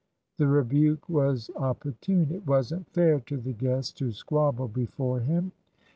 The rebuke was opportune. It wasn't fair to the guest to squabble before him.